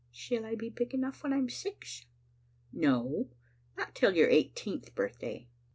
" Shall I be big enough when I am six?" "No, not till your eighteenth birthday."